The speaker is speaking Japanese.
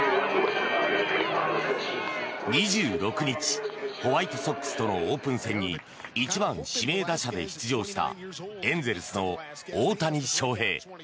２６日、ホワイトソックスとのオープン戦に１番指名打者で出場したエンゼルスの大谷翔平。